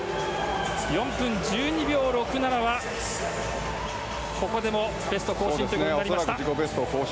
４分１２秒６７は、ここでもベスト更新となりました。